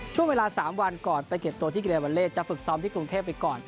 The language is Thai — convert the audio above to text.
ช่วงเวลา๓วันก่อนไปเก็บตัวที่กิเลวัลเลสจะฝึกซ้อมที่กรุงเทพไปก่อน